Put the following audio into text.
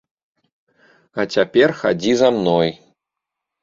А цяпер хадзі за мной.